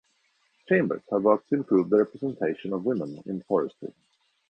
Chambers has worked to improve the representation of women in forestry.